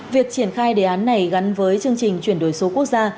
việc triển khai đề án này gắn với chương trình chuyển đổi số quốc gia